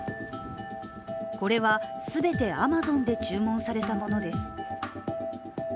これは全てアマゾンで注文されたものです。